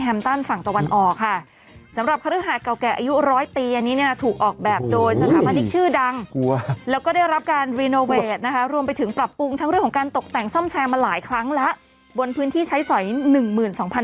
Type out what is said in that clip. แล้วแกก็บอกว่าให้ลองไปดูก็ได้ว่าเป็นเสื้อของแตงโมจริงไหม